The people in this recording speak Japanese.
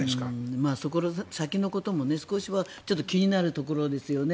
そこの先のところも少しは気になるところですよね。